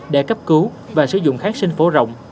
để cấp cứu và sử dụng khách sinh phố rộng